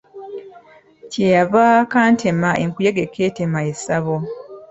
Kye yava akantema enkuyege k'etema essabo.